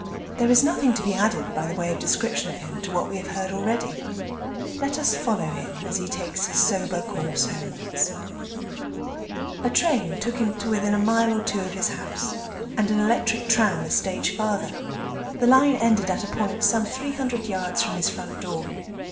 There is nothing to be added by way of description of him to what we have heard already. Let us follow him as he takes his sober course homewards. A train took him to within a mile or two of his house, and an electric tram a stage farther. The line ended at a point some three hundred yards from his front door.